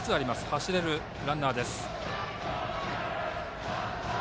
走れるランナーです。